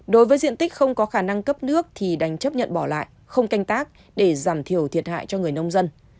đối với diện tích không có khả năng cấp nước thì đành chấp nhận bỏ lại không canh tác để giảm thiểu thiệt hại cho người nông dân